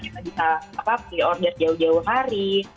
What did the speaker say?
kita bisa pre order jauh jauh hari